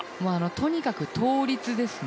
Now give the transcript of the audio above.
とにかく倒立ですね。